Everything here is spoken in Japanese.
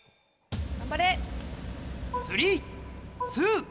頑張れ！